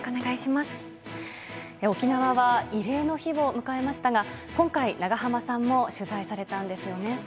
沖縄は慰霊の日を迎えましたが今回、長濱さんも取材されたんですよね。